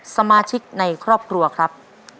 สมาชิกในครอบครัวครับ